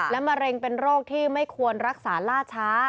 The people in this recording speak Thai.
มะเร็งเป็นโรคที่ไม่ควรรักษาล่าช้า